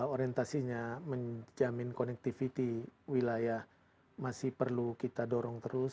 orientasinya menjamin connectivity wilayah masih perlu kita dorong terus